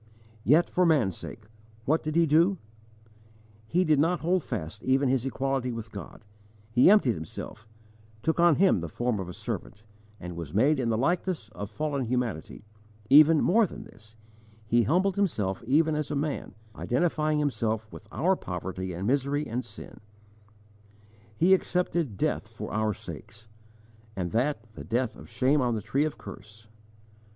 Yet for man's sake what did he do? He did not hold fast even His equality with God, He emptied Himself, took on Him the form of a servant, was made in the likeness of fallen humanity; even more than this, He humbled Himself even as a man, identifying Himself with our poverty and misery and sin; He accepted death for our sakes, and that, the death of shame on the tree of curse.